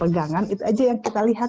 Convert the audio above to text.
sebagai pegangan itu aja yang kita lihat